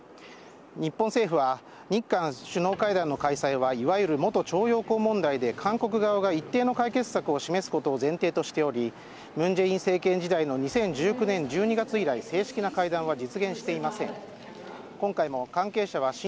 日本政府は日韓首脳会談の開催はいわゆる、元徴用工問題で韓国側が一定の解決策を示すことを前提としており文在寅政権以来の２０１９年１２月以来正式な会談は実現していません。